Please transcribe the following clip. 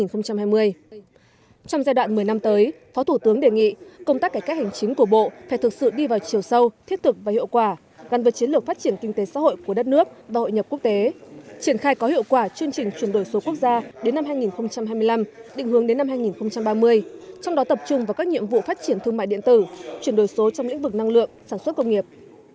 trong giai đoạn một mươi năm tới phó thủ tướng đề nghị công tác cải cách hành chính của bộ phải thực sự đi vào chiều sâu thiết thực và hiệu quả gắn với chiến lược phát triển kinh tế xã hội của đất nước và hội nhập quốc tế triển khai có hiệu quả chương trình chuyển đổi số quốc gia đến năm hai nghìn hai mươi năm định hướng đến năm hai nghìn ba mươi trong đó tập trung vào các nhiệm vụ phát triển thương mại điện tử chuyển đổi số trong lĩnh vực năng lượng sản xuất công nghiệp